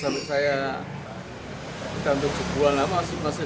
akhirnya dengan makin banyak keadaan akhirnya semua ambil di masjid